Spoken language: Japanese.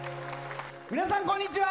皆さん、こんにちは。